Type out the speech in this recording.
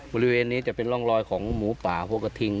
บริเวณนี้จะเป็นร่องรอยของหมูป่าหัวกระทิง